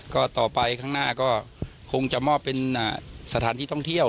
ก็ต่อไปข้างหน้าก็คงจะมอบเป็นสถานที่ท่องเที่ยว